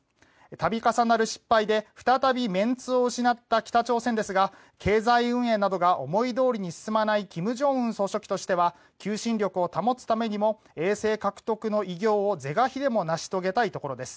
度重なる失敗で再びメンツを失った北朝鮮ですが経済運営などが思いどおりに進まない金正恩総書記としては求心力を保つためには衛星獲得の偉業を是が非でも成し遂げたいところです。